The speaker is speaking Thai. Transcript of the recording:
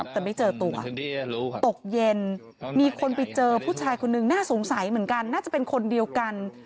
แต่ไม่เจอตัวตกเย็นมีคนไปเจอผู้ชายคนนึงน่าสงสัยเหมือนกันน่าจะเป็นคนเดียวกัน